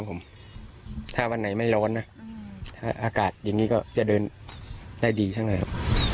ครับผมถ้าวันไหนไม่ร้อนนะถ้าอากาศอย่างงี้ก็คือเดินได้ดีขึ้นนะครับ